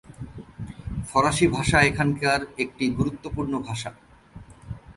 ফরাসি ভাষা এখানকার একটি গুরুত্বপূর্ণ ভাষা।